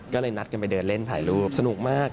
ก็เลยนัดกันไปเดินเล่นถ่ายรูปสนุกมาก